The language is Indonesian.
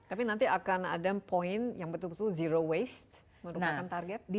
tapi nanti akan ada poin yang betul betul zero waste merupakan target